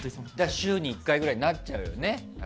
週に１回くらいになっちゃうよね。